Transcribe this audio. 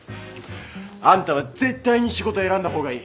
あんたは絶対に仕事選んだ方がいい